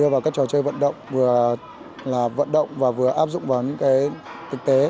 và các trò chơi vận động vừa là vận động và vừa áp dụng vào những thực tế